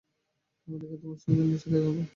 আমেরিকায় তোমার সঙ্গে নিশ্চয়ই দেখা হবে।